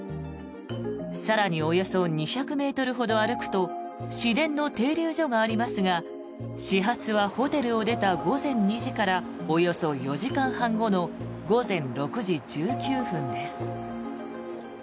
更に、およそ２００ｍほど歩くと市電の停留所がありますが始発はホテルを出た午前２時からおよそ４時間半後の午前６時１９分です。